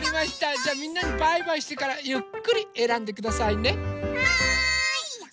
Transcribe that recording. じゃあみんなにバイバイしてからゆっくりえらんでくださいね。